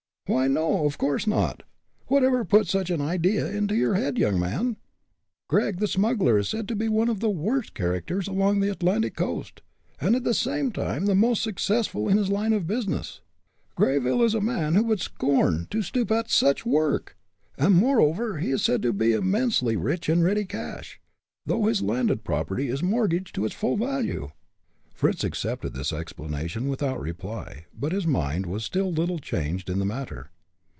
"Why, no, of course not! What ever put such an idea into your head, young man? Gregg the smuggler is said to be one of the worst characters along the Atlantic coast, and at the same time, the most successful in his line of business. Greyville is a man who would scorn to stoop to such work; and, moreover, he is said to be immensely rich in ready cash, though his landed property is mortgaged for its full value." Fritz accepted this explanation without reply, but his mind was but little changed in the matter.